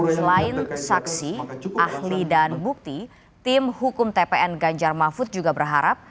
selain saksi ahli dan bukti tim hukum tpn ganjar mahfud juga berharap